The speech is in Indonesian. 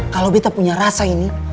kalo betta punya rasa ini